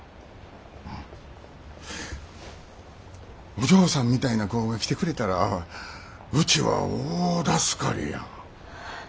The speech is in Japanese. お嬢さんみたいな子が来てくれたらうちは大助かりや。